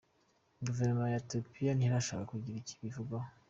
Guverinoma ya Ethopia ntirashaka kugira icyo ibivugaho.